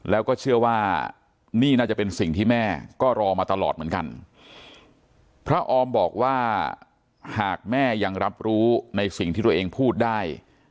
แล้วก็เชื่อว่านี่น่าจะเป็นสิ่งที่แม่ก็รอมาตลอดเหมือนกันพระออมบอกว่าหากแม่ยังรับรู้ในสิ่งที่ตัวเองพูดได้